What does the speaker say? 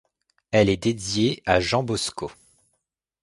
Elle est dédiée à Jean Bosco.